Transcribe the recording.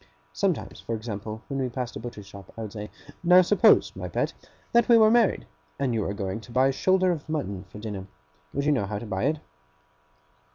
Sometimes, for example, when we passed a butcher's shop, I would say: 'Now suppose, my pet, that we were married, and you were going to buy a shoulder of mutton for dinner, would you know how to buy it?